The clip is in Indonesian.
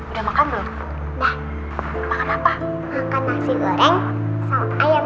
udah makan belum